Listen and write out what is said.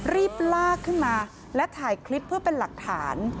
รีบลากขึ้นมาและถ่ายคลิปเพื่อเป็นหลักฐาน